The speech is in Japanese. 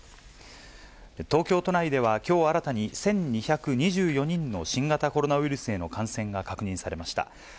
東京都内では、きょう新たに、１２２４人の新型コロナウイルスへの感染が確認されました。